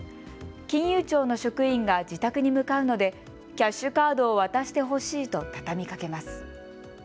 金融庁の職員が自宅に向かうのでキャッシュカードを渡してほしいと畳みかけます。